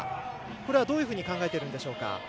これはどういうふうに考えてるんでしょうか。